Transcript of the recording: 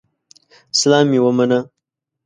سلام مي ومنه